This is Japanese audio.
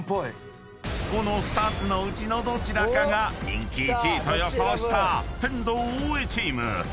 ［この２つのうちのどちらかが人気１位と予想した天童・大江チーム］